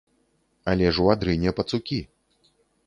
Але ж у адрыне пацукі.